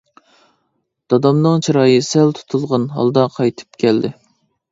دادامنىڭ چىرايى سەل تۇتۇلغان ھالدا قايتىپ كەلدى.